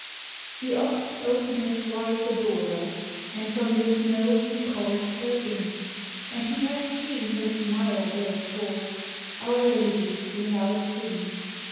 The Ox he openeth wide the Doore And from the Snowe lie calls her inne, And he hath seen her smile therefore, Our Ladye without Sinne.